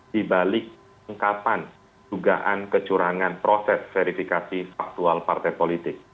di balik ungkapan dugaan kecurangan proses verifikasi faktual partai politik